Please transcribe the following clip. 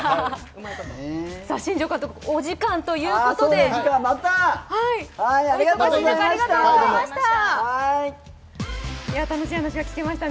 新庄監督、お時間ということで、お忙しい中、ありがとうございました。